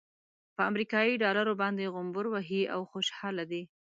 پر امريکايي ډالرو باندې غومبر وهي او خوشحاله دی.